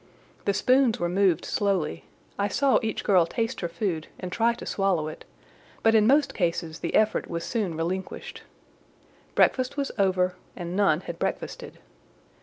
The spoons were moved slowly: I saw each girl taste her food and try to swallow it; but in most cases the effort was soon relinquished. Breakfast was over, and none had breakfasted.